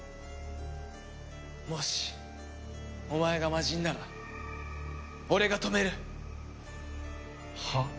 もしお前が魔人なら俺が止める！はあ？